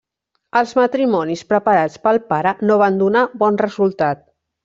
Els matrimonis preparats pel pare no van donar bon resultat.